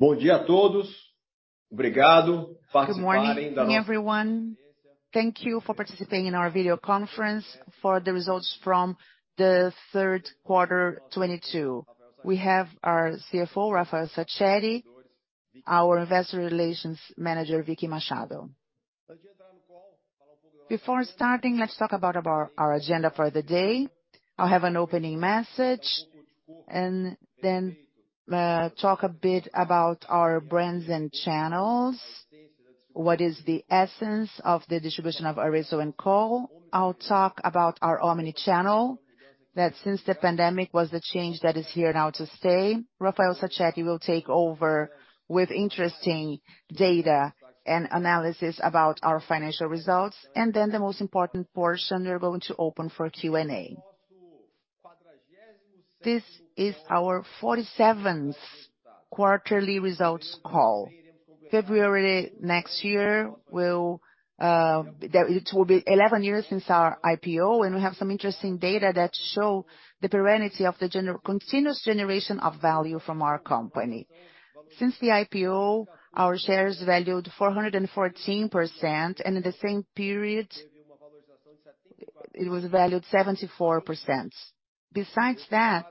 Good morning, everyone. Thank you for participating in our Video Conference for the Results From the Third Quarter 2022. We have our CFO, Rafael Sachete, our Investor Relations Manager, Vicky Machado. Before starting, let's talk about our agenda for the day. I have an opening message, and then talk a bit about our brands and channels, what is the essence of the distribution of Arezzo&Co. I'll talk about our omni-channel, that since the pandemic was the change that is here now to stay. Rafael Sachete will take over with interesting data and analysis about our financial results, and then the most important portion, we are going to open for Q&A. This is our 47th quarterly results call. February next year will be 11 years since our IPO, and we have some interesting data that show the permanence of the continuous generation of value from our company. Since the IPO, our shares valued 414%, and in the same period, it was valued 74%. Besides that,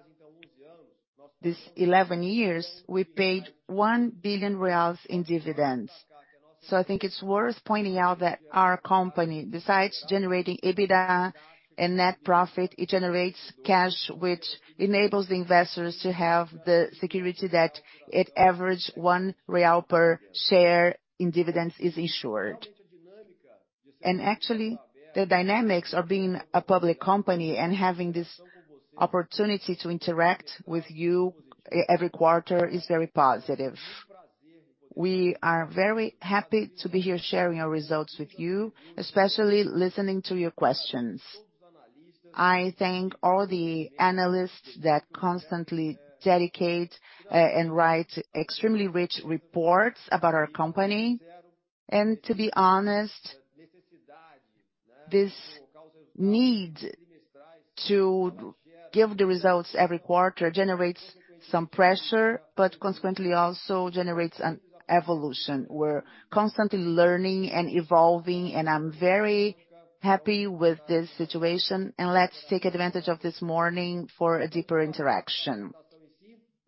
this 11 years, we paid 1 billion reais in dividends. I think it's worth pointing out that our company, besides generating EBITDA and net profit, it generates cash, which enables the investors to have the security that it averages 1 real per share in dividends is ensured. Actually, the dynamics of being a public company and having this opportunity to interact with you every quarter is very positive. We are very happy to be here sharing our results with you, especially listening to your questions. I thank all the analysts that constantly dedicate, and write extremely rich reports about our company. To be honest, this need to give the results every quarter generates some pressure, but consequently also generates an evolution. We're constantly learning and evolving, and I'm very happy with this situation, and let's take advantage of this morning for a deeper interaction.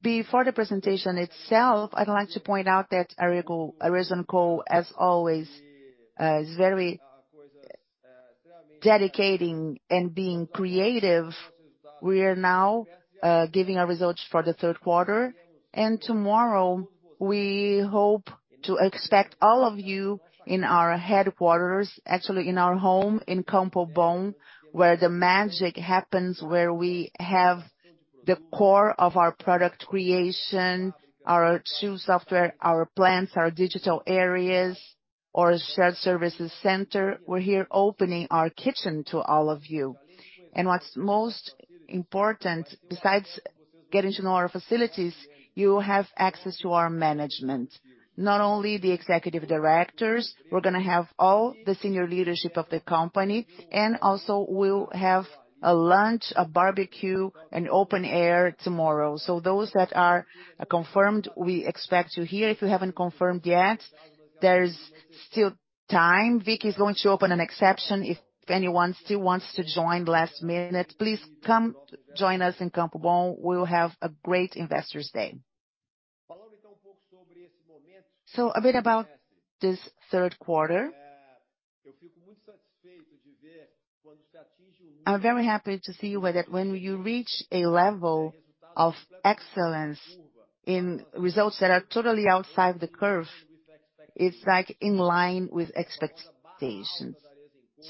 Before the presentation itself, I'd like to point out that Arezzo&Co, as always, is very dedicating and being creative. We are now giving our results for the third quarter. Tomorrow, we hope to expect all of you in our headquarters, actually in our home in Campo Bom, where the magic happens, where we have the core of our product creation, our shoe software, our plants, our digital areas, our shared services center. We're here opening our kitchen to all of you. What's most important, besides getting to know our facilities, you will have access to our management. Not only the executive directors, we're gonna have all the senior leadership of the company, and also we'll have a lunch, a barbecue, an open air tomorrow. Those that are confirmed, we expect you here. If you haven't confirmed yet, there's still time. Vicky is going to open an exception. If anyone still wants to join last minute, please come join us in Campo Bom. We'll have a great investors day. A bit about this third quarter. I'm very happy to see whether when you reach a level of excellence in results that are totally outside the curve, it's like in line with expectations.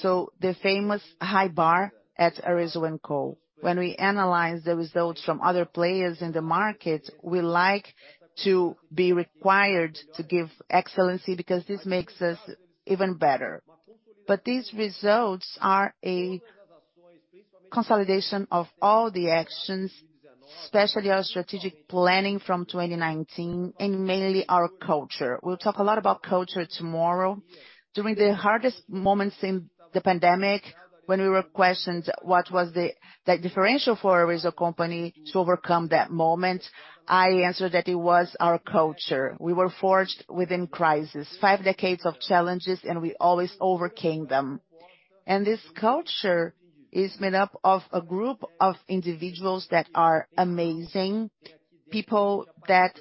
The famous high bar at Arezzo&Co. When we analyze the results from other players in the market, we like to be required to give excellence because this makes us even better. These results are a consolidation of all the actions, especially our strategic planning from 2019 and mainly our culture. We'll talk a lot about culture tomorrow. During the hardest moments in the pandemic, when we were questioned what was the differential for Arezzo&Co to overcome that moment, I answered that it was our culture. We were forged within crisis. Five decades of challenges, and we always overcame them. This culture is made up of a group of individuals that are amazing, people that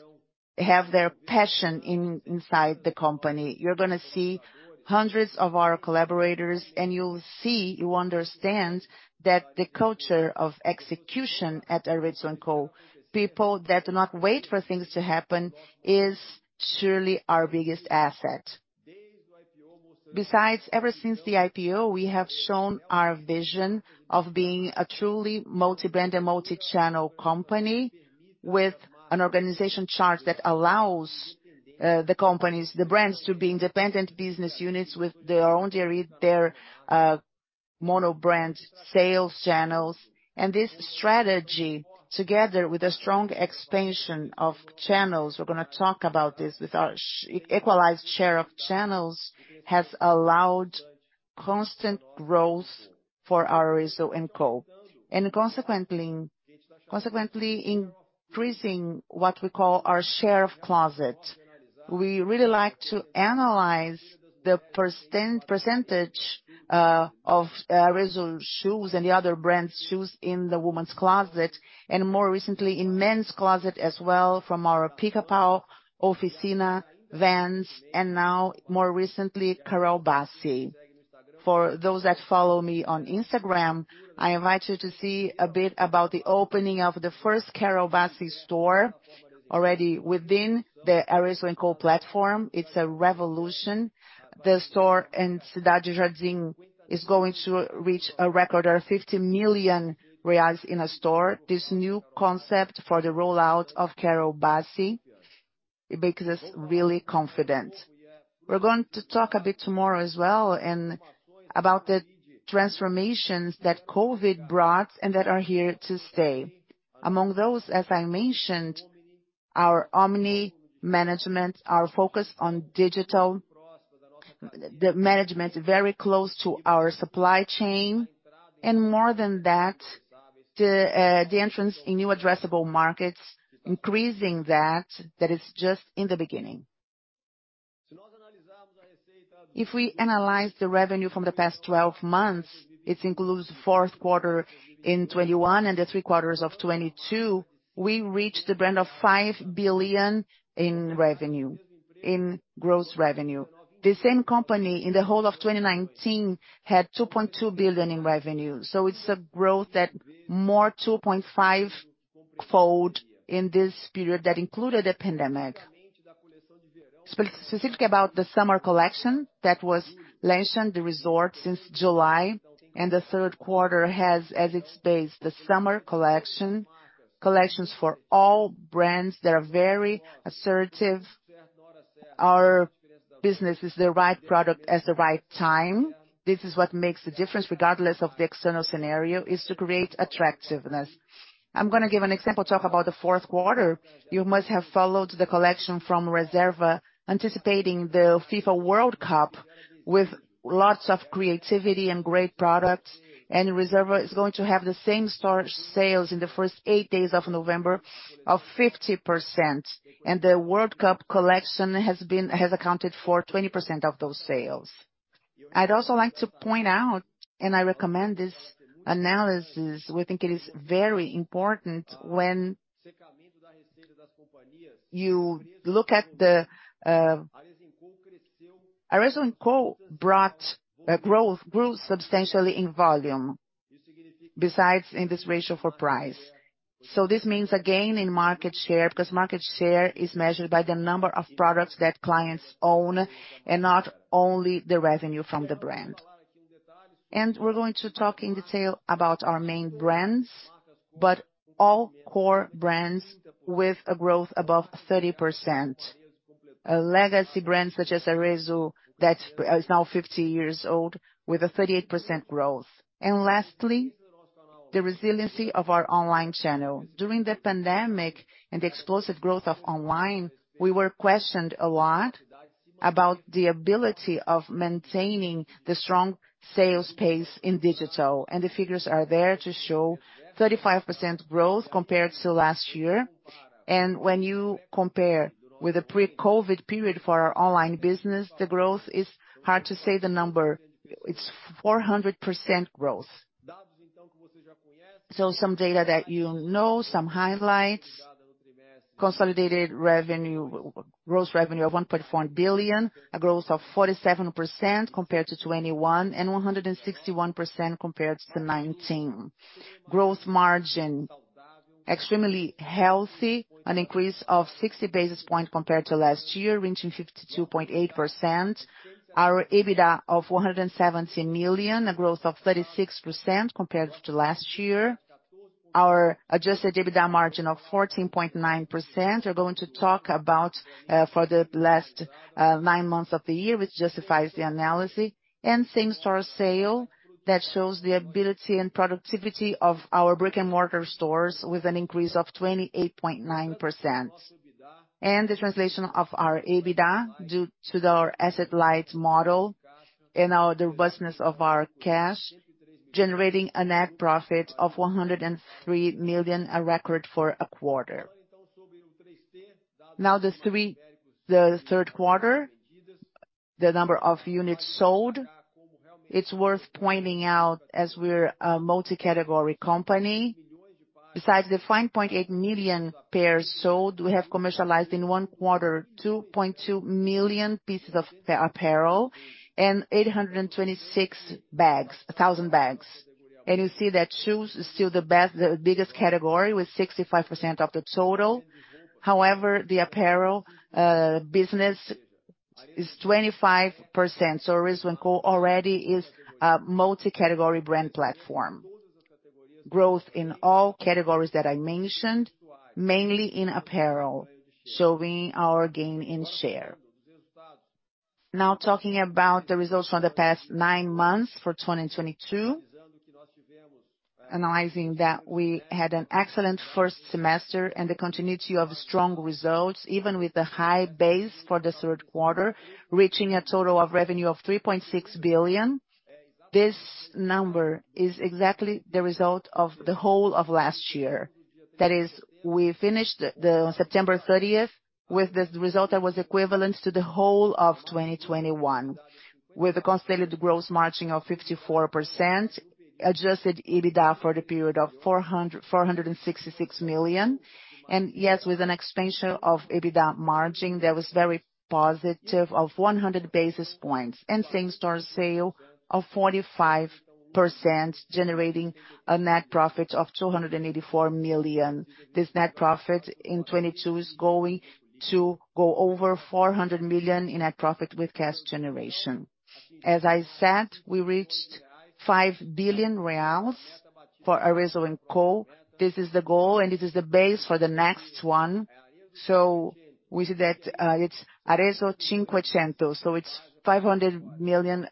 have their passion inside the company. You're gonna see hundreds of our collaborators, and you'll see, you understand that the culture of execution at Arezzo&Co., people that do not wait for things to happen, is surely our biggest asset. Besides, ever since the IPO, we have shown our vision of being a truly multi-brand and multi-channel company with an organization chart that allows, the companies, the brands to be independent business units with their own mono brand sales channels. This strategy, together with a strong expansion of channels, we're gonna talk about this with our equalized share of channels, has allowed constant growth for Arezzo&Co. Consequently increasing what we call our share of closet. We really like to analyze the percentage of Arezzo shoes and the other brand shoes in the women's closet, and more recently in men's closet as well from our Reserva, Oficina, Vans, and now more recently Carol Bassi. For those that follow me on Instagram, I invite you to see a bit about the opening of the first Carol Bassi store already within the Arezzo&Co platform. It's a revolution. The store in Cidade Jardim is going to reach a record of 50 million reais in a store. This new concept for the rollout of Carol Bassi, it makes us really confident. We're going to talk a bit tomorrow as well and about the transformations that COVID brought and that are here to stay. Among those, as I mentioned, our omnichannel management, our focus on digital, the management very close to our supply chain, and more than that, the entrance in new addressable markets, increasing that is just in the beginning. If we analyze the revenue from the past 12 months, it includes fourth quarter in 2021 and the three quarters of 2022, we reached the mark of 5 billion in revenue, in gross revenue. The same company in the whole of 2019 had 2.2 billion in revenue. It's a growth of more than 2.5-fold in this period that included the pandemic. Specifically about the summer collection that was launched the resort since July, and the third quarter has as its base the summer collection. Collections for all brands that are very assertive. Our business is the right product at the right time. This is what makes the difference regardless of the external scenario, is to create attractiveness. I'm gonna give an example, talk about the fourth quarter. You must have followed the collection from Reserva anticipating the FIFA World Cup with lots of creativity and great products. Reserva is going to have the same-store sales in the first 8 days of November of 50%. The World Cup collection has accounted for 20% of those sales. I'd also like to point out, and I recommend this analysis, we think it is very important when you look at the Arezzo&Co. grew substantially in volume, besides in the ratio of price. This means a gain in market share, because market share is measured by the number of products that clients own and not only the revenue from the brand. We're going to talk in detail about our main brands, but all core brands with a growth above 30%. A legacy brand such as Arezzo that is now 50 years old with a 38% growth. Lastly, the resiliency of our online channel. During the pandemic and the explosive growth of online, we were questioned a lot about the ability of maintaining the strong sales pace in digital. The figures are there to show 35% growth compared to last year. When you compare with the pre-COVID period for our online business, the growth is hard to say the number. It's 400% growth. Some data that you know, some highlights. Consolidated revenue, gross revenue of 1.4 billion, a growth of 47% compared to 2021, and 161% compared to 2019. Gross margin, extremely healthy, an increase of 60 basis points compared to last year, reaching 52.8%. Our EBITDA of 170 million, a growth of 36% compared to last year. Our adjusted EBITDA margin of 14.9%, we're going to talk about for the last 9 months of the year, which justifies the analysis. Same-store sales that shows the ability and productivity of our brick-and-mortar stores with an increase of 28.9%. The translation of our EBITDA due to our asset-light model and our robustness of our cash, generating a net profit of 103 million, a record for a quarter. Now, the third quarter, the number of units sold. It's worth pointing out as we're a multi-category company. Besides the 5.8 million pairs sold, we have commercialized in one quarter 2.2 million pieces of apparel and 826,000 bags. You see that shoes is still the best, the biggest category with 65% of the total. However, the apparel business is 25%. Arezzo&Co already is a multi-category brand platform. Growth in all categories that I mentioned, mainly in apparel, showing our gain in share. Now talking about the results for the past nine months for 2022. Analyzing that we had an excellent first semester and the continuity of strong results, even with the high base for the third quarter, reaching a total revenue of 3.6 billion. This number is exactly the result of the whole of last year. That is, we finished on September 30 with this result that was equivalent to the whole of 2021, with a consolidated gross margin of 54%, adjusted EBITDA for the period of 466 million. Yes, with an expansion of EBITDA margin that was very positive of 100 basis points and same-store sales of 45%, generating a net profit of 284 million. This net profit in 2022 is going to go over 400 million in net profit with cash generation. As I said, we reached 5 billion reais for Arezzo&Co. This is the goal, and it is the base for the next one. We see that it's Arezzo quinhentos. It's 500 million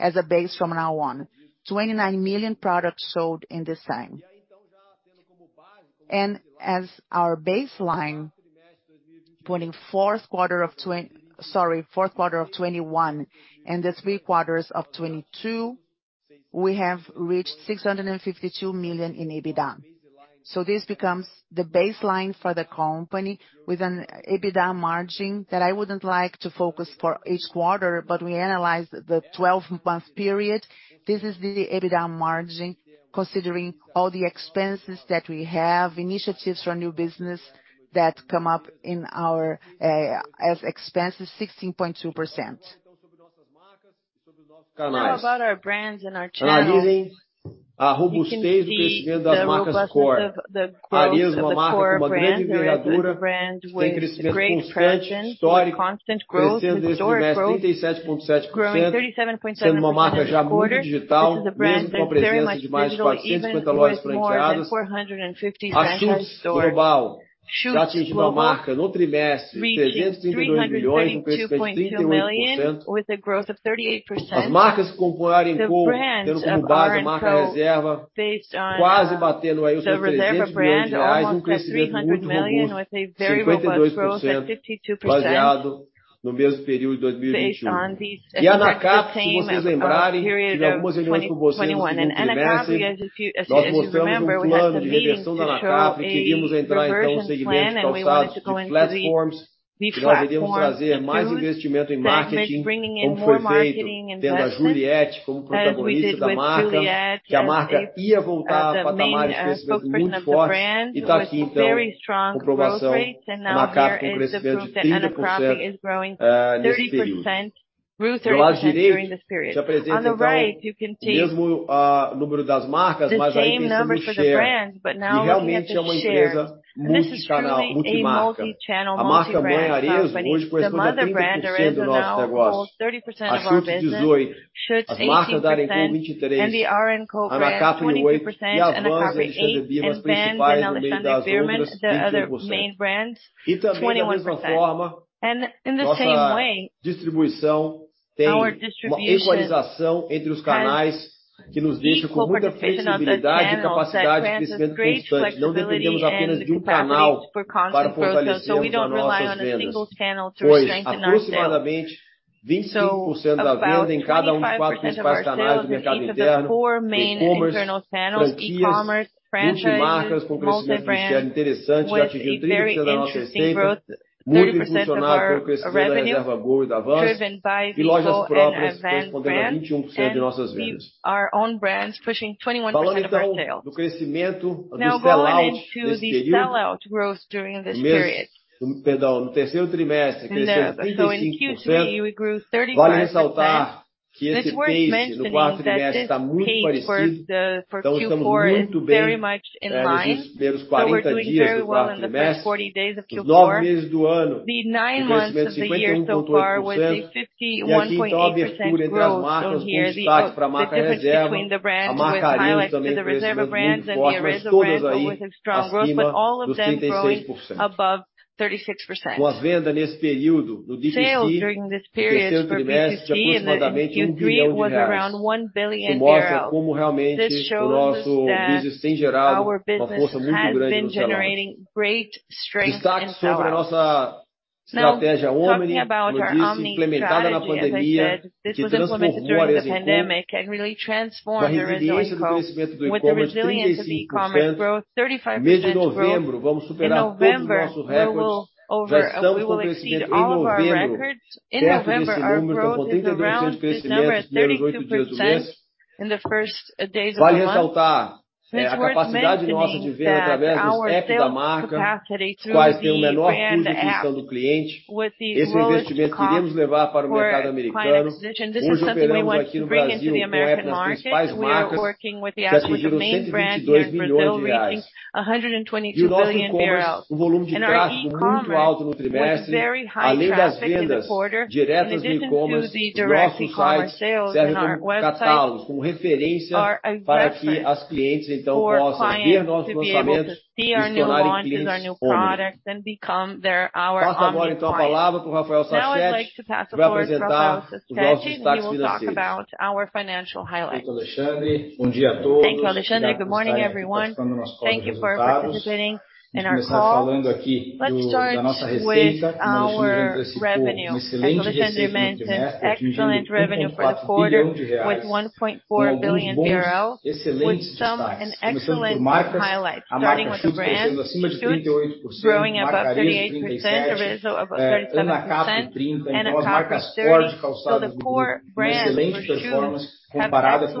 as a base from now on. 29 million products sold in this time. As our baseline, fourth quarter of 2021 and the three quarters of 2022, we have reached 652 million in EBITDA. This becomes the baseline for the company with an EBITDA margin that I wouldn't like to focus for each quarter, but we analyze the 12-month period. This is the EBITDA margin, considering all the expenses that we have, initiatives for new business that come up in our as expenses, 16.2%. Now about our brands and our channels. You can see the robustness of the growth of the core brands. Arezzo is a brand with great presence and a constant growth, historic growth, growing 37.7% this quarter. This is a brand that is very much digital, even with more than 450 franchise stores. Schutz global reaching BRL 332.2 million, with a growth of 38%. The brands of Arezzo&Co based on, so Reserva brand almost at BRL 300 million, with a very robust growth at 52% based on the same period of 2021. Anacapri, as you remember, we had the meeting to show a reversion plan, and we wanted to go into the platforms, including that meant bringing in more marketing investments as we did with Juliette as the main spokesperson of the brand with very strong growth rates. Now here is the proof that Anacapri is growing 30% growth rates during this period. On the right, you can see the same number for the brands, but now looking at the share. This is truly a multi-channel multi-brand Now, talking about our Omni strategy, as I said, this was implemented during the pandemic and really transformed Arezzo&Co. With the resilience of e-commerce growth, 35% growth. In November, we will exceed all of our records. In November, our growth is around this number, 32% growth. Vale ressaltar, a capacidade nossa de venda através dos app da marca, os quais têm o menor custo de aquisição do cliente. Esse investimento queremos levar para o mercado americano. Hoje operamos aqui no Brasil com app das principais marcas, que atingiram 122 billion reais. O nosso e-commerce, com volume de tráfego muito alto no trimestre, além das vendas diretas de e-commerce, o nosso site serve como catálogo, como referência para que as clientes então possam ver nossos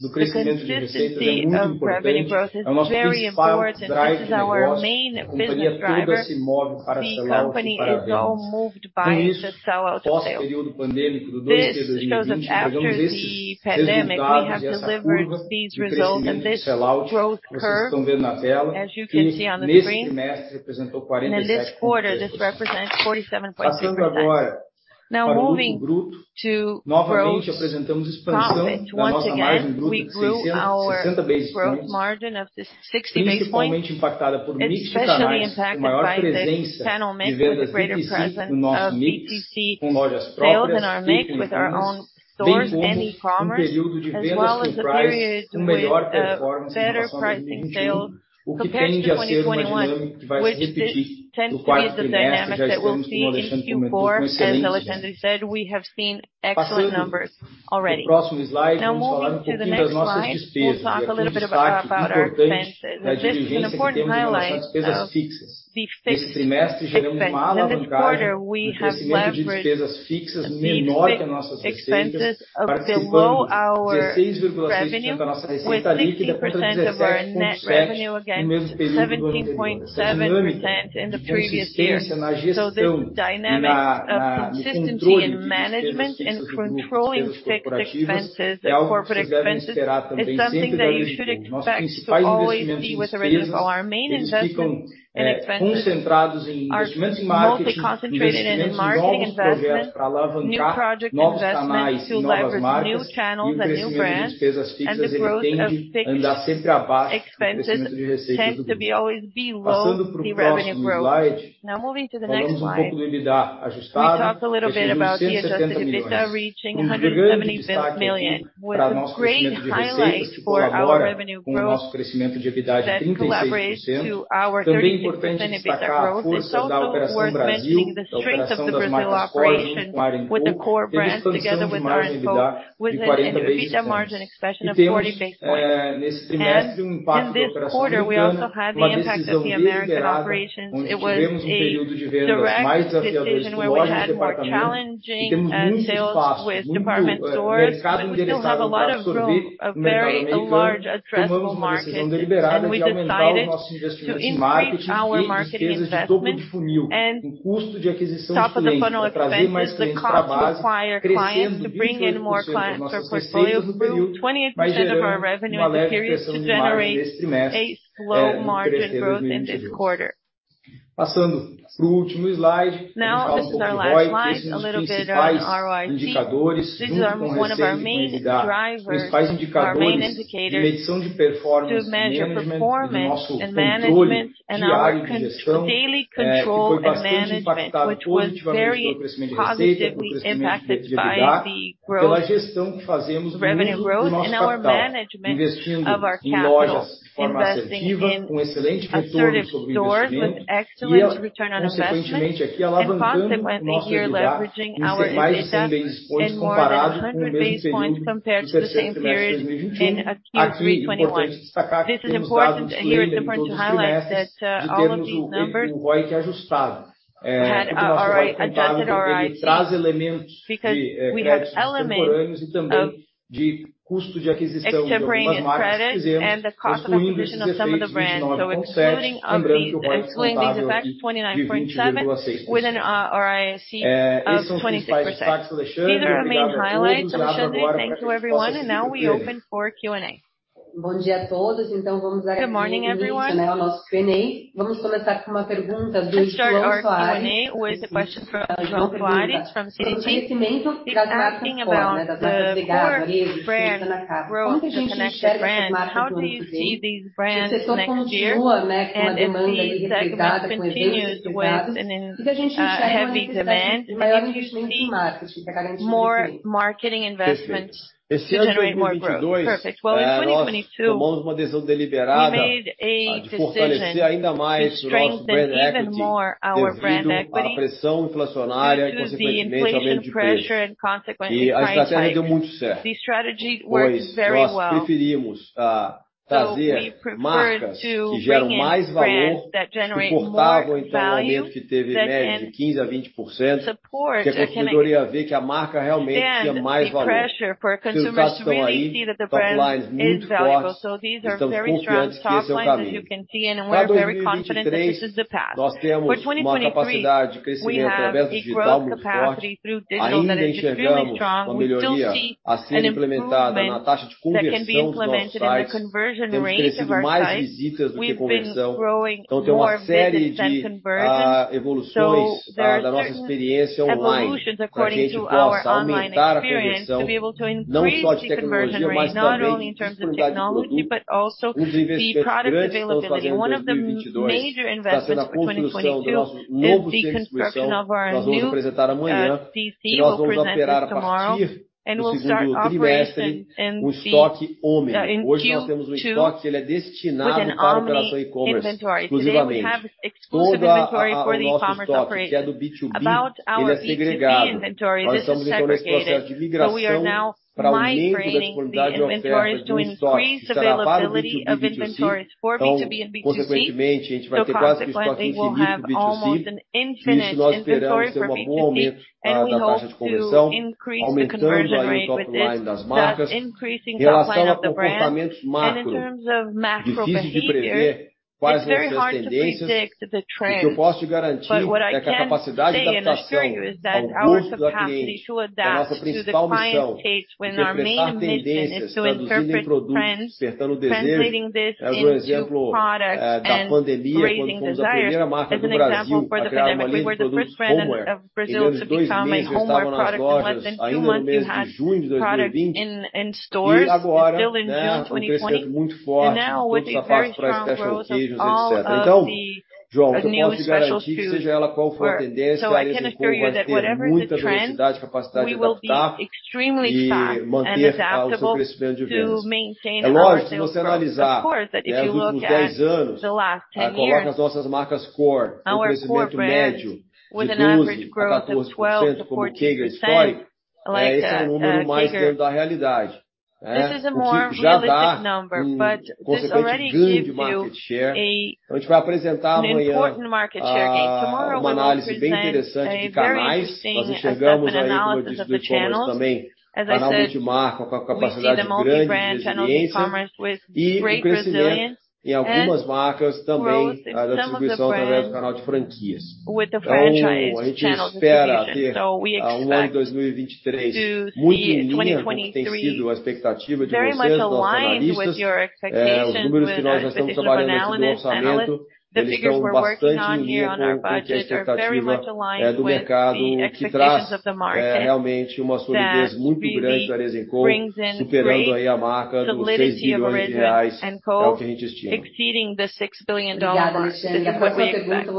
lançamentos e se tornar clientes onze. Passo agora a palavra pro Rafael Sachete, que vai apresentar os nossos destaques financeiros. Muito vendo uma questão com excelente. Passando pro próximo slide, vamos falar um pouquinho das nossas despesas e aqui o destaque importante da diligência que temos em nossas despesas fixas. Nesse trimestre, geramos uma alavancagem do crescimento de despesas fixas menor que o das nossas receitas, representando 16.6% da nossa receita líquida contra 17.7% no mesmo período do ano anterior. Essa dinâmica de consistência na gestão e no controle de despesas fixas do grupo, despesas corporativas, é algo que vocês devem esperar também sempre da Arezzo. Nossos principais investimentos em despesas, eles ficam concentrados em investimentos em marketing, em investimentos em novos projetos pra alavancar novos canais e novas marcas, e o crescimento de despesas fixas ele tende a andar sempre abaixo do crescimento de receitas do grupo. Passando pro próximo slide, falamos um pouco do EBITDA ajustado, que atingiu BRL 170 milhões, com um grande destaque pro nosso crescimento de receitas, que colabora com o nosso crescimento de EBITDA de 36%. Importante destacar a força da operação Brasil, da operação das marcas core junto com a Arezzo, que teve expansão de margem EBITDA de 40 basis points. Temos, nesse trimestre, um impacto da operação americana, uma decisão deliberada, onde tivemos um período de vendas to generate more growth? Perfect. Well, in 2022, we made a decision to strengthen even more our brand equity due to the inflation pressure and consequently price hikes. The strategy worked very well. We preferred to bring in brands that generate more value that can support and withstand the pressure for consumers to really see that the brand is valuable. These are very strong top lines as you can see, and we're very confident that this is the path. For 2023, we have a growth capacity through digital that is extremely strong. We still see an improvement that can be implemented in the conversion rate of our sites. We've been growing more visits than conversions. There are certain evolutions according to our online experience to be able to increase the conversion rate, not only in terms of technology, but also the product availability. One of the major investments for 2022 is the construction of our new DC. We'll present it tomorrow, and we'll start operation in the Q2 with an omni inventory. Today, we have exclusive inventory for the e-commerce operation. About our B2B inventory, this is segregated. We are now migrating the inventories to increase availability of inventories for B2B and B2C. Consequently, we'll have almost an infinite inventory for B2B, and we hope to increase the conversion rate with this, thus increasing top line of the brands. In terms of macro behavior, it's very hard to predict the trends. What I can say and assure you is that our capacity to adapt to the client's taste when our main mission is to interpret trends, translating this into products and creating desire. As an example, for the pandemic, we were the first brand of Brazil to create a line of products homeware. In less than two months, we had product in stores. It's built in June 2020. Now with the very strong growth of all of the new special footwear. I can assure you that whatever the trend, we will be extremely fast and adaptable to maintain our sales growth. Of course, that if you look at the last 10 years, our core brands with an average growth of 12%-14% like a CAGR. This is a more realistic number, but this already give you an important market share gain. Tomorrow, we will present a very interesting segment analysis of the channels. As I said, we see the multi-brand channel of e-commerce with great resilience and growth in some of the brands with the franchise channel distribution. We expect to see 2023 very much aligned with your expectation, with our traditional analysts. The figures we're working on here on our budgets are very much aligned with the expectations of the market that really brings in great solidity of Arezzo&Co, exceeding the $6 billion mark. This is what we expect.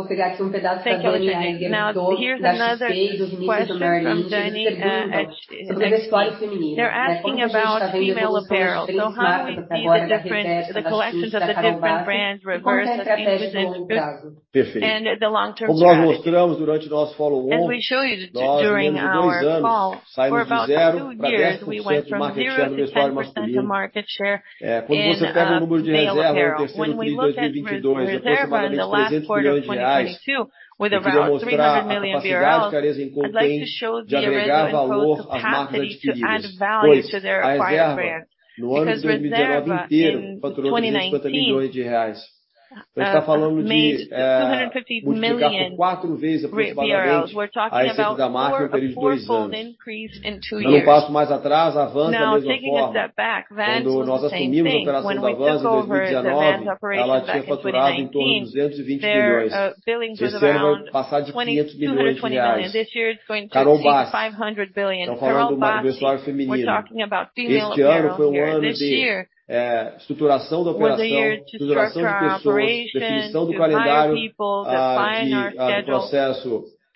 Thank you, Richard. Now, here's another question from Danny at Citi. They're asking about female apparel. How do you see the collections of the different brands reflected in women's boots and the long-term strategy? As we showed you during our call, for about two years, we went from 0% to 10% of market share in female apparel. When we look at Reserva in the last quarter of 2022, with about 300 million, I'd like to show the Arezzo&Co's capacity to add value to their acquired brands. Because Reserva in 2019 made BRL 250 million. We're talking about four- or fourfold increase in two years. Now, taking a step back, Vans was the same thing. When we took over the Vans operations back in 2019, their billing was around 220 million. This year it's going to exceed 500 million. Carol Bassi, we're talking about female apparel here. This year was the year to structure our operations, to hire people,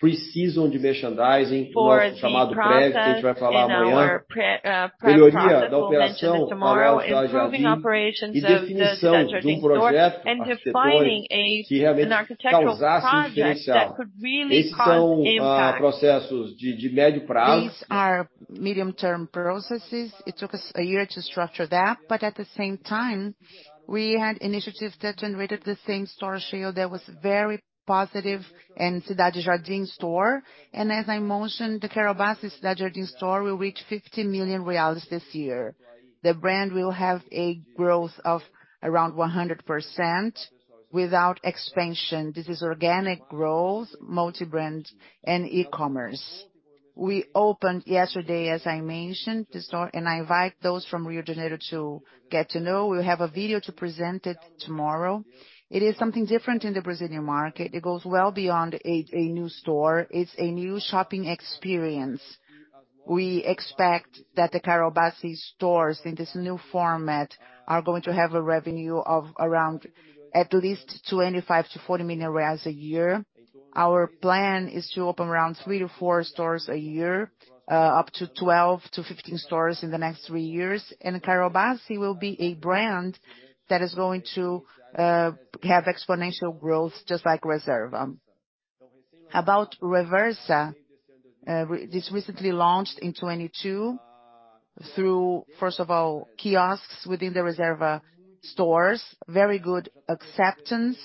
define our schedule for the process in our prep process. We'll mention it tomorrow. Improving operations of the Cidade Jardim and defining an architectural project that could really cause impact. These are medium-term processes. It took us a year to structure that. But at the same time, we had initiatives that generated the same-store sales that was very positive in Cidade Jardim store. As I mentioned, the Carol Bassi Cidade Jardim store will reach 50 million reais this year. The brand will have a growth of around 100% without expansion. This is organic growth, multi-brand, and e-commerce. We opened yesterday, as I mentioned, the store, and I invite those from Rio de Janeiro to get to know. We have a video to present it tomorrow. It is something different in the Brazilian market. It goes well beyond a new store. It's a new shopping experience. We expect that the Carol Bassi stores in this new format are going to have a revenue of around at least 25 million-40 million reais a year. Our plan is to open around 3-4 stores a year, up to 12-15 stores in the next 3 years. Carol Bassi will be a brand that is going to have exponential growth just like Reserva. About Reversa, this recently launched in 2022 through, first of all, kiosks within the Reserva stores. Very good acceptance.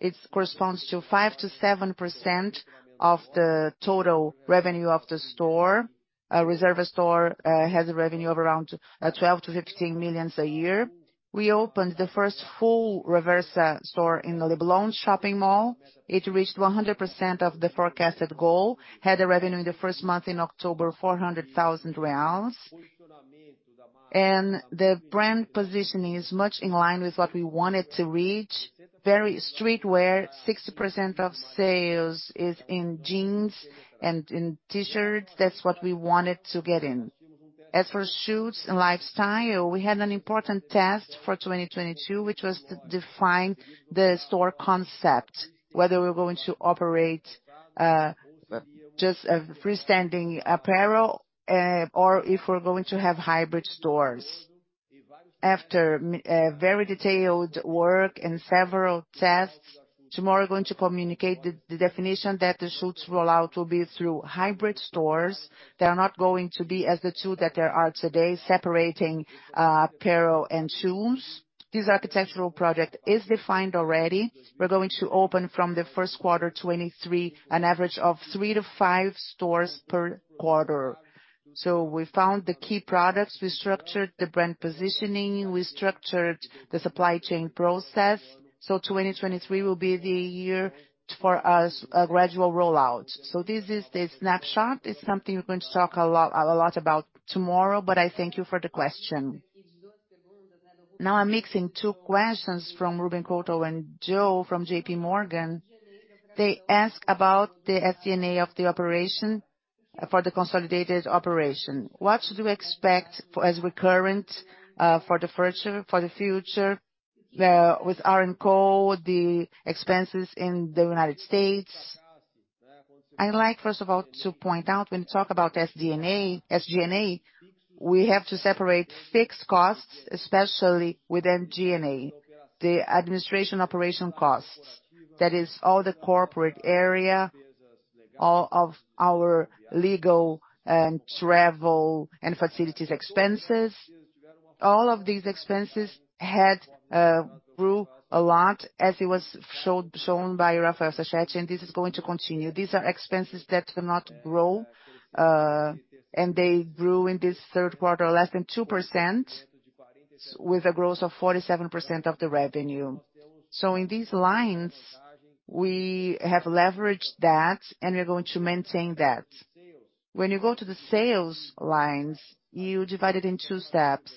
It corresponds to 5%-7% of the total revenue of the store. A Reserva store has a revenue of around 12-15 million a year. We opened the first full Reversa store in the Leblon shopping mall. It reached 100% of the forecasted goal, had a revenue in the first month in October, 400,000 reais. The brand positioning is much in line with what we wanted to reach. Very streetwear, 60% of sales is in jeans and in T-shirts. That's what we wanted to get in. As for shoes and lifestyle, we had an important test for 2022, which was to define the store concept, whether we're going to operate just a freestanding apparel or if we're going to have hybrid stores. After very detailed work and several tests, tomorrow we're going to communicate the definition that the shoes rollout will be through hybrid stores. They are not going to be as the two that there are today separating apparel and shoes. This architectural project is defined already. We're going to open from the first quarter 2023, an average of 3-5 stores per quarter. We found the key products, we structured the brand positioning, we structured the supply chain process. 2023 will be the year for us, a gradual rollout. This is the snapshot. It's something we're going to talk a lot about tomorrow, but I thank you for the question. Now I'm mixing two questions from Ruben Couto and Joe from JPMorgan. They ask about the SG&A of the operation for the consolidated operation. What do you expect for the future with AR&Co, the expenses in the United States? I like, first of all, to point out when you talk about SG&A, we have to separate fixed costs, especially within G&A, the administration operation costs. That is all the corporate area, all of our legal and travel and facilities expenses. All of these expenses had grew a lot as it was shown by Rafael Sachete, and this is going to continue. These are expenses that do not grow, and they grew in this third quarter less than 2% with a growth of 47% of the revenue. In these lines, we have leveraged that, and we're going to maintain that. When you go to the sales lines, you divide it in two steps.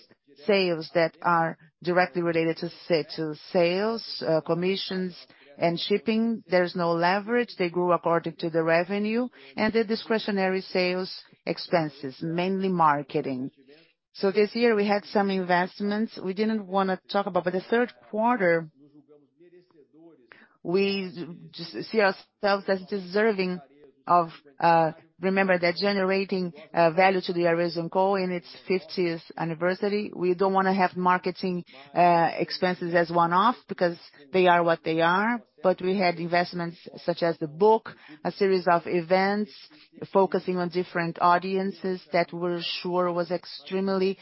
Sales that are directly related to sell-through sales, commissions and shipping, there's no leverage. They grew according to the revenue and the discretionary sales expenses, mainly marketing. This year we had some investments we didn't wanna talk about, but the third quarter, we just see ourselves as deserving of it. Remember that we're generating value to the Arezzo&Co in its fiftieth anniversary. We don't wanna have marketing expenses as one-off because they are what they are. We had investments such as the book, a series of events focusing on different audiences that we're sure was extremely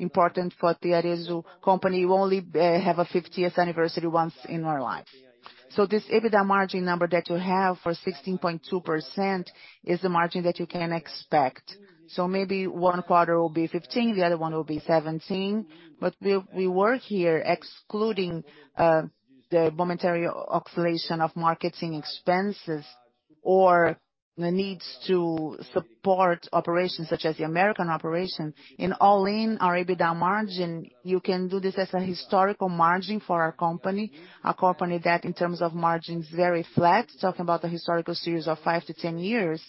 important for the Arezzo&Co. We only have a fiftieth anniversary once in our life. This EBITDA margin number that you have for 16.2% is the margin that you can expect. Maybe one quarter will be 15, the other one will be 17. We work here excluding the momentary oscillation of marketing expenses or the needs to support operations such as the American operation. In our EBITDA margin, you can do this as a historical margin for our company, a company that in terms of margin is very flat, talking about the historical series of 5-10 years.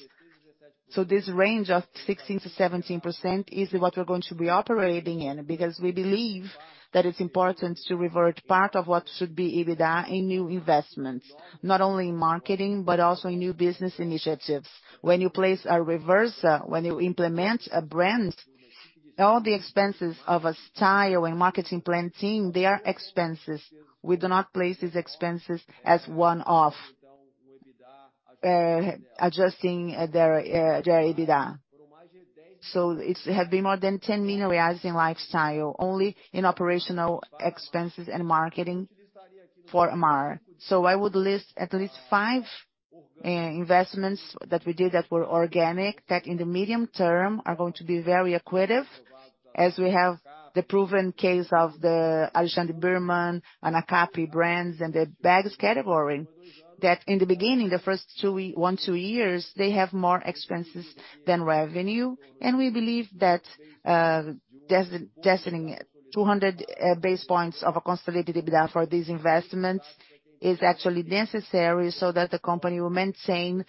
This range of 16%-17% is what we're going to be operating in because we believe that it's important to revert part of what should be EBITDA in new investments, not only in marketing but also in new business initiatives. When you place a Reversa, when you implement a brand, all the expenses of a style and marketing planning, they are expenses. We do not place these expenses as one-off, adjusting their EBITDA. It has been more than 10 million reais in lifestyle, only in operational expenses and marketing for AR&Co. I would list at least five investments that we did that were organic, that in the medium term are going to be very accretive. As we have the proven case of the Alexandre Birman and Anacapri brands in the bags category, that in the beginning, the first two years, they have more expenses than revenue. We believe that denting it 200 basis points of a consolidated EBITDA for these investments is actually necessary so that the company will maintain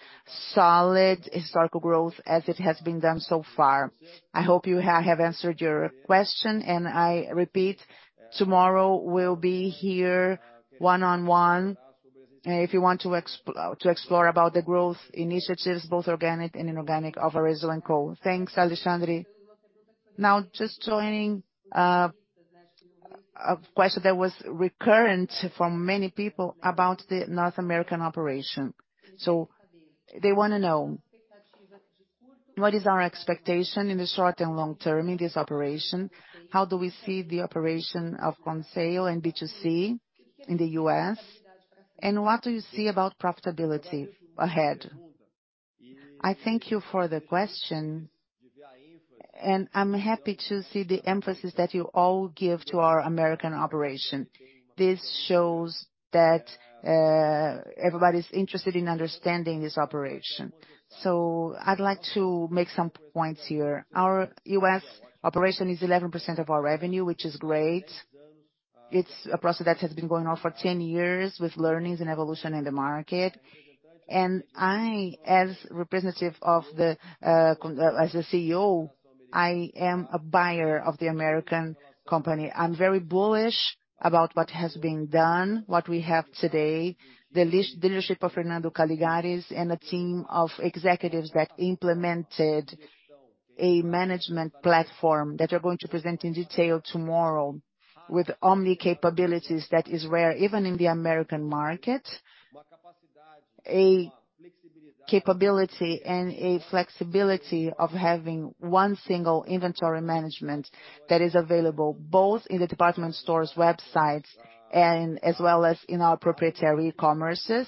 solid historical growth as it has been done so far. I hope you have answered your question, and I repeat, tomorrow we'll be here one-on-one, if you want to explore about the growth initiatives, both organic and inorganic of Arezzo&Co. Thanks, Alexandre. Now just joining, a question that was recurrent from many people about the North American operation. They wanna know what is our expectation in the short and long term in this operation? How do we see the operation of DTC and B2C in the U.S.? And what do you see about profitability ahead? I thank you for the question, and I'm happy to see the emphasis that you all give to our American operation. This shows that, everybody's interested in understanding this operation. I'd like to make some points here. Our U.S. operation is 11% of our revenue, which is great. It's a process that has been going on for 10 years with learnings and evolution in the market. I, as representative of the, as a CEO, I am a buyer of the American company. I'm very bullish about what has been done, what we have today, the leadership of Fernando Calligaris and a team of executives that implemented a management platform that we're going to present in detail tomorrow with omni capabilities that is rare even in the American market. A capability and a flexibility of having one single inventory management that is available both in the department stores, websites, and as well as in our proprietary e-commerces.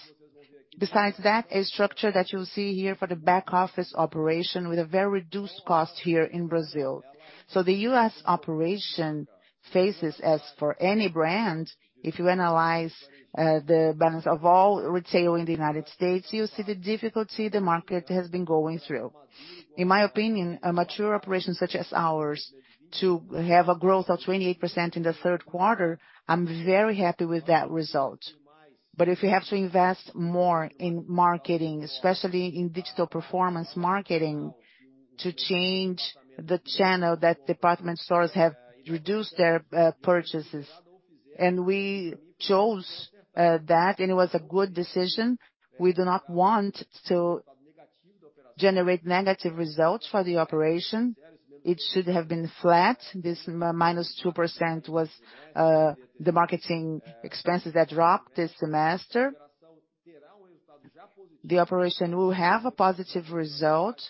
Besides that, a structure that you'll see here for the back office operation with a very reduced cost here in Brazil. The U.S. operation faces, as for any brand, if you analyze the balance of all retail in the United States, you'll see the difficulty the market has been going through. In my opinion, a mature operation such as ours, to have a growth of 28% in the third quarter, I'm very happy with that result. If you have to invest more in marketing, especially in digital performance marketing, to change the channel that department stores have reduced their purchases, and we chose that, and it was a good decision. We do not want to generate negative results for the operation. It should have been flat. This minus 2% was the marketing expenses that dropped this semester. The operation will have a positive result.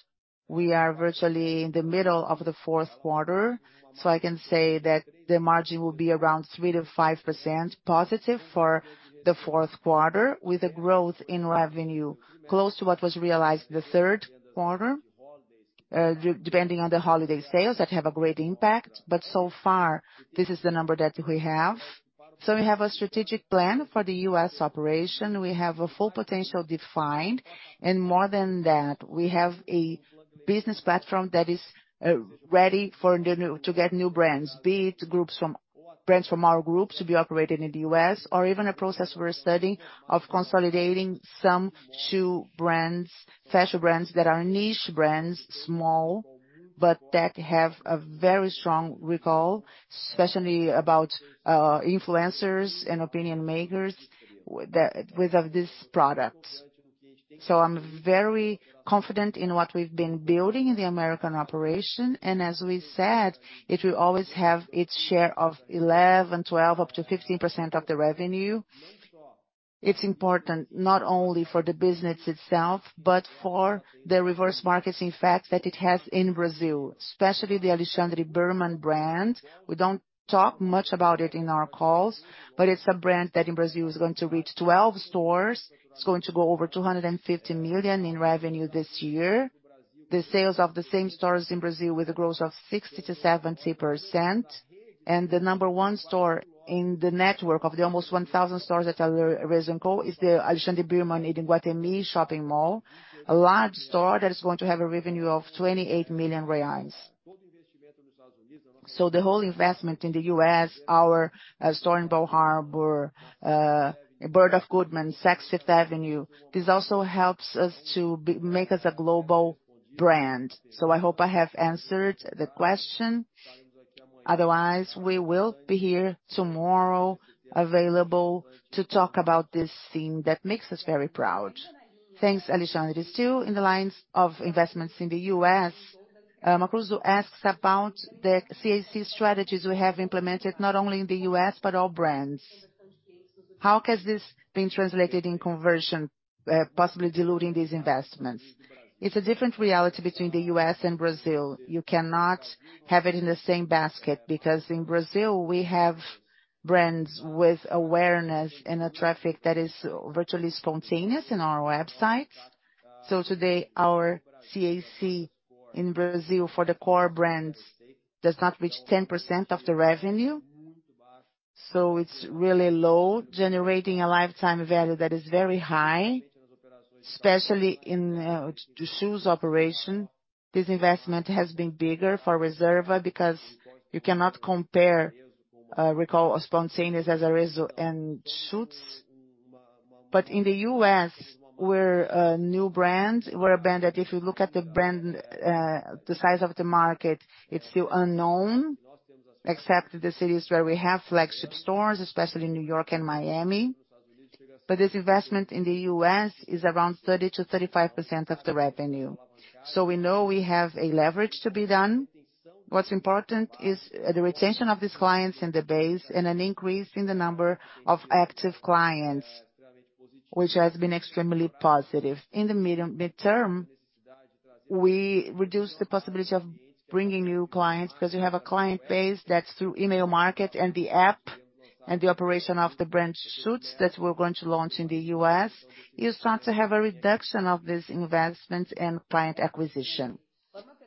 We are virtually in the middle of the fourth quarter, so I can say that the margin will be around 3%-5% positive for the fourth quarter, with a growth in revenue close to what was realized in the third quarter, depending on the holiday sales that have a great impact. So far, this is the number that we have. We have a strategic plan for the U.S. operation. We have a full potential defined. More than that, we have a business platform that is ready to get new brands, be it brands from our group to be operating in the U.S. or even a process we're studying of consolidating some two brands, fashion brands that are niche brands, small, but that have a very strong recall, especially about influencers and opinion makers that with this product. I'm very confident in what we've been building in the American operation, and as we said, it will always have its share of 11%-15% of the revenue. It's important not only for the business itself, but for the reverse marketing effect that it has in Brazil, especially the Alexandre Birman brand. We don't talk much about it in our calls, but it's a brand that in Brazil is going to reach 12 stores. It's going to go over 250 million in revenue this year. The sales of the same stores in Brazil with a growth of 60%-70%. The number one store in the network of the almost 1,000 stores at Arezzo&Co. is the Alexandre Birman in Iguatemi Shopping Mall, a large store that is going to have a revenue of 28 million reais. The whole investment in the U.S., our store in Bal Harbour, Bergdorf Goodman, Saks Fifth Avenue, this also helps us to make us a global brand. I hope I have answered the question. Otherwise, we will be here tomorrow available to talk about this theme that makes us very proud. Thanks, Alexandre. Still in the lines of investments in the U.S., Macruzo asks about the CAC strategies we have implemented not only in the U.S., but all brands. How has this been translated in conversion, possiby diluting these investments? It's a different reality between the U.S. and Brazil. You cannot have it in the same basket because in Brazil, we have brands with awareness and a traffic that is virtually spontaneous in our websites. Today our CAC in Brazil for the core brands does not reach 10% of the revenue. It's really low, generating a lifetime value that is very high, especially in the shoes operation. This investment has been bigger for Reserva because you cannot compare recall or spontaneous as a result in shoes. In the U.S., we're a new brand. We're a brand that if you look at the brand, the size of the market, it's still unknown, except the cities where we have flagship stores, especially New York and Miami. This investment in the U.S. is around 30%-35% of the revenue. We know we have a leverage to be done. What's important is the retention of these clients in the base and an increase in the number of active clients, which has been extremely positive. In the midterm, we reduce the possibility of bringing new clients because you have a client base that's through email marketing and the app and the operation of the branded shoes that we're going to launch in the U.S. You start to have a reduction of these investments and client acquisition.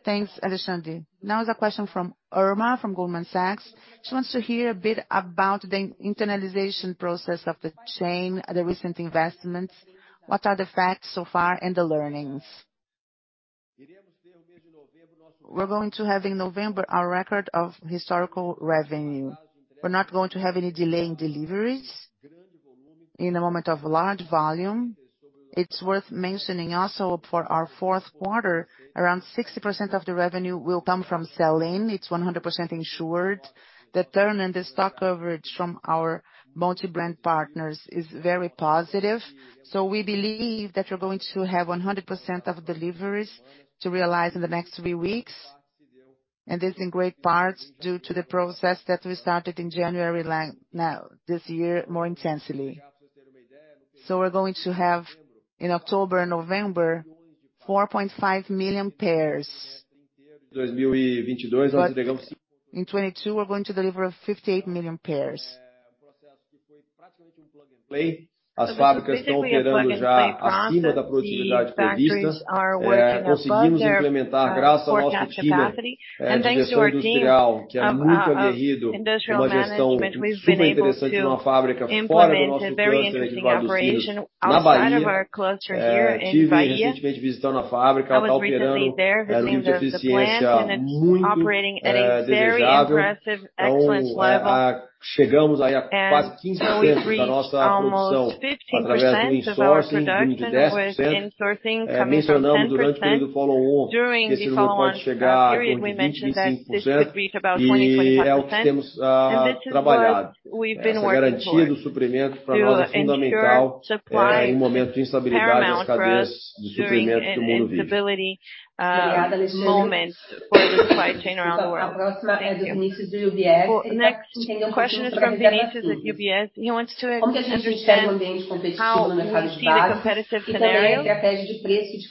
Thanks, Alexandre. Now, a question from Irma from Goldman Sachs. She wants to hear a bit about the internationalization process of the chain, the recent investments. What are the facts so far and the learnings? We're going to have in November our record historical revenue. We're not going to have any delay in deliveries in a moment of large volume. It's worth mentioning also for our fourth quarter, around 60% of the revenue will come from sell-in. It's 100% insured. The turnover and the stock coverage from our multi-brand partners is very positive. We believe that we're going to have 100% of deliveries to realize in the next three weeks. This in great part due to the process that we started in January this year, more intensely. We're going to have in October, November, 4.5 million pairs. In 2022, we're going to deliver 58 million pairs. This is basically a plug-and-play process. The factories are working above their forecast capacity. Thanks to our team of industrial management, we've been able to implement a very interesting operation outside of our cluster here in Bahia. I was recently there visiting the plant, and it's operating at a very impressive, excellent level. We've reached almost 15% of our production with insourcing coming from 10%. During the follow-on period, we mentioned that this could reach about 20-25%. This is what we've been working for, to ensure supply is paramount for us during an instability moment for the supply chain around the world. Thank you. Well, next question is from Vinicius at UBS. He wants to understand how we see the competitive scenario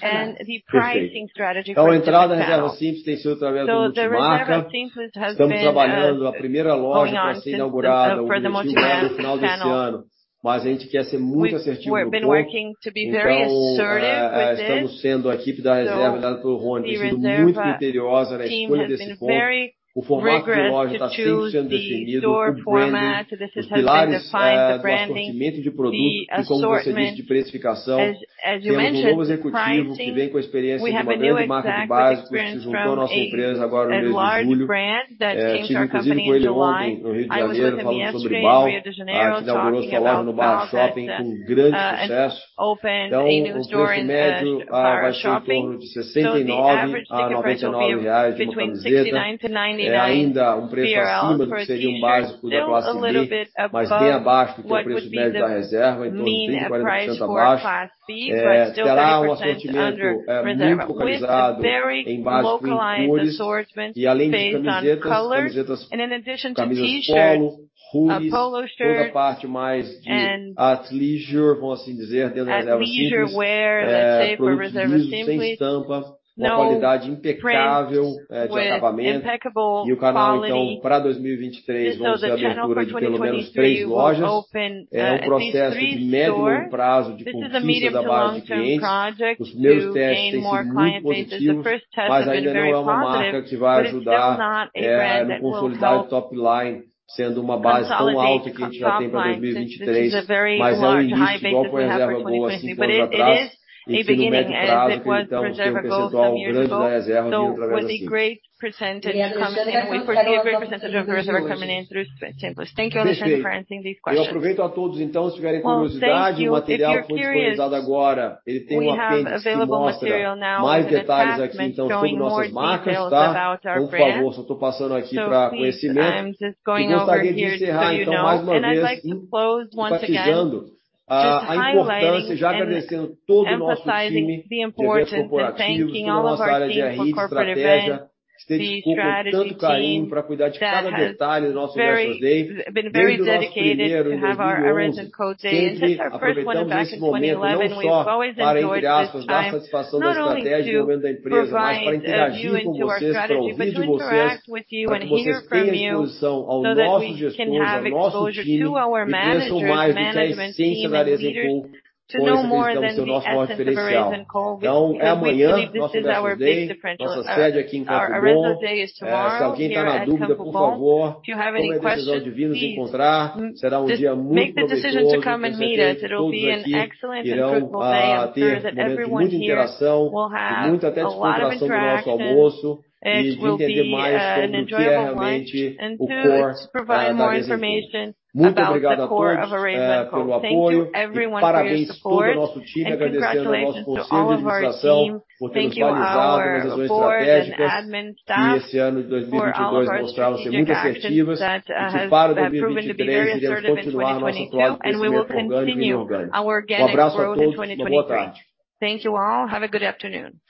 and the pricing strategy for Reserva Simples. The Reserva Simples has been going on for the multi-brand channel. We've been working to be very assertive with this. The Reserva team has been very rigorous to choose the store format. This has been defined, the branding, the assortment. As you mentioned, pricing. We have a new exec with experience from a large brand that came to our company in July. I was with him yesterday in Rio de Janeiro talking about how that opened a new store in the Barra shopping. It's the average ticket price will be between BRL 69-BRL 99, which is still a little bit above what would be the mean of price for class B, but still 30% under Reserva with a very localized assortment based on colors. In addition to T-shirts, polo shirts and athleisure wear, let's say, for Reserva Simples. No prints with impeccable quality. The channel for 2023 will open at least 3 stores. This is a medium to long term project to gain more client base as the first test has been very positive, but it's still not a brand that will help consolidate top line, since this is a very large, high base we have for 2023. It is a beginning as it was Reserva Gold some years ago. With a great percentage coming in, we foresee a great percentage of Reserva coming in through Simples. Thank you, Alexandre, for answering these questions. Well, thank you. If you're curious, we have available material now with an attachment showing more details about our brands. Please, I'm just going over here just so you know. I'd like to close once again just highlighting and emphasizing the importance and thanking all of our team for corporate event, the strategy team that has been very dedicated to have our Arezzo&Co Day since our first one back in 2011. We've always enjoyed this time not only to provide insight into our strategy, but to interact with you and hear from you so that we can have exposure to our managers and management team and leaders to know more than just the essence of an Arezzo&Co, which is, we believe this is our big differential. Our Arezzo&Co Day is tomorrow here at Campo Bom. If you have any questions, please just make the decision to come and meet us. It'll be an excellent and fruitful day. I'm sure that everyone here will have a lot of interaction. It will be an enjoyable lunch and too, it's providing more information about the core of an Arezzo&Co. Thank you everyone for your support. Congratulations to all of our team. Thank you our board and admin staff for our strategic actions that has proven to be very assertive in 2022, and we will continue our organic growth in 2023. Thank you all. Have a good afternoon.